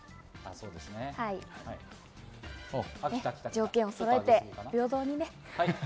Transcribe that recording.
条件をそろえて平等にね。